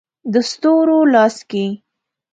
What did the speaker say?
د ستورو لاس کې